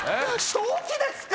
正気ですか？